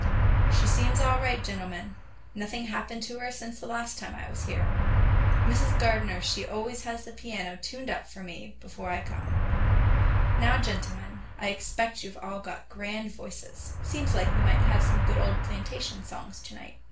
"She seems all right, gentlemen. Nothing happened to her since the last time I was here. Mrs. Gardener, she always has this piano tuned up before I come. Now, gentlemen, I expect you've all got grand voices. Seems like we might have some good old plantation songs to night."